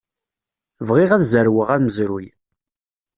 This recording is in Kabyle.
Bɣiɣ ad zerweɣ amezruy.